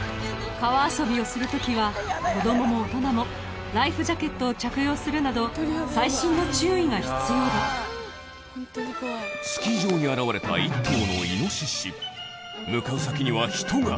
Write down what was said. ・川遊びをする時は子供も大人もライフジャケットを着用するなど細心の注意が必要だスキー場に現れた１頭の向かう先には人が！